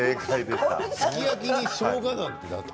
すき焼きにしょうがなんて。